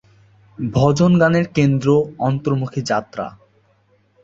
ভজন গানের কেন্দ্র অন্তর্মুখী যাত্রা।